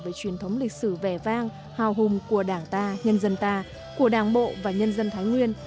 về truyền thống lịch sử vẻ vang hào hùng của đảng ta nhân dân ta của đảng bộ và nhân dân thái nguyên